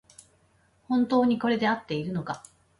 本当にこれであっているのか